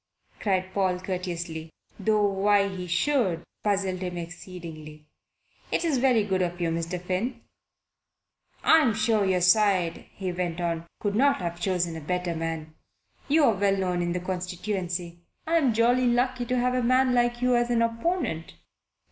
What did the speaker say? cried Paul courteously though why he should puzzled him exceedingly. "It's very good of you, Mr. Finn. I'm sure your side," he went on, "could not have chosen a better man. You're well known in the constituency I am jolly lucky to have a man like you as an opponent."